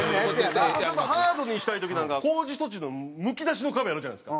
ハードにしたい時なんかは工事途中のむき出しの壁あるじゃないですか。